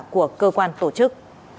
của cơ quan tổ chức